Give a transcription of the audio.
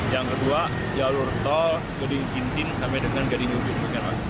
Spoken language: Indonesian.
yang kedua jalur tol kuding kintin sampai dengan gading ubin